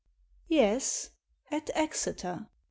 "Yes; at Exeter."